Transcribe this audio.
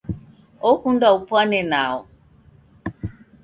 Okunda upwane nao.